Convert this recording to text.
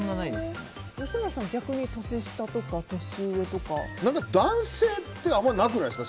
吉村さんは逆に年下とか年上とか。男性ってあまりなくないですか？